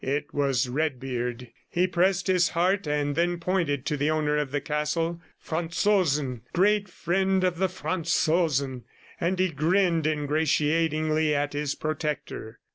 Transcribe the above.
It was Redbeard. He pressed his heart and then pointed to the owner of the castle. "Franzosen ... great friend of the Franzosen" ... and he grinned ingratiatingly at his protector.